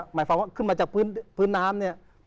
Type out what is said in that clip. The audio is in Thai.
หมายความว่าขึ้นมาจากพื้นน้ำเนี่ย